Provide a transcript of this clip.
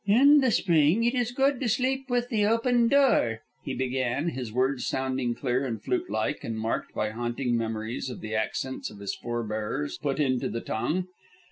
"In the spring it is good to sleep with the open door," he began, his words sounding clear and flute like and marked by haunting memories of the accents his forbears put into the tongue.